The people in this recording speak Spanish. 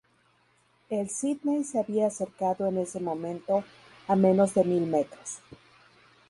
El "Sydney" se había acercado en ese momento a menos de mil metros.